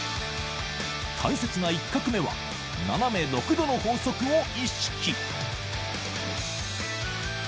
大切な１画目は斜め６度の法則を意識